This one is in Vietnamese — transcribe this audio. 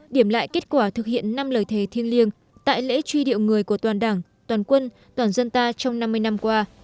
điểm lại kết quả thực hiện năm lời thề thiêng liêng tại lễ truy điệu người của toàn đảng toàn quân toàn dân ta trong năm mươi năm qua